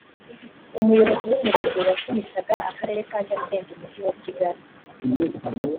umuyobozi w’umurenge wa kimisagara akarere ka nyarugenge umujyi wa kigali